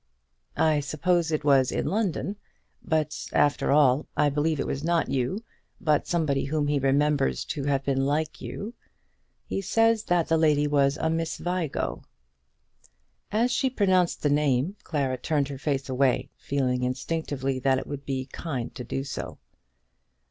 "I suppose it was in London. But, after all, I believe it was not you, but somebody whom he remembers to have been like you. He says that the lady was a Miss Vigo." As she pronounced the name, Clara turned her face away, feeling instinctively that it would be kind to do so.